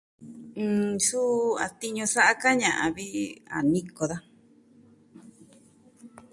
Suu a tiñu sa'a ka ña'an vi a niko daja.